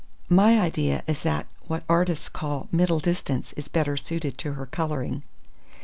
My idea is that what artists call middle distance is better suited to her colouring.